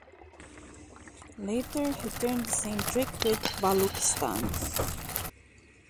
Later he turned the same trick with Baluchistan.